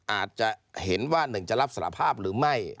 อาจจะเห็นว่าหนึ่งจะรับสารภาพหรือไม่